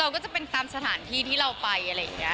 ก็จะเป็นตามสถานที่ที่เราไปอะไรอย่างนี้